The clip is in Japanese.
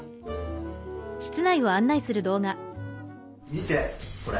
見てこれ！